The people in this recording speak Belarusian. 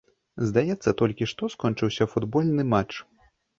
Здаецца, толькі што скончыўся футбольны матч.